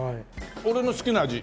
俺の好きな味。